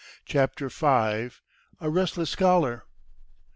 CHAPTER V. A RESTLESS SCHOLAR.